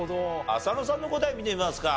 浅野さんの答え見てみますか。